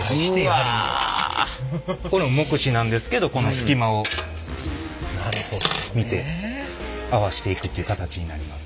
これも目視なんですけどこの隙間を見て合わしていくっていう形になります。